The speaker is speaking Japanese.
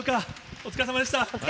お疲れさまでした。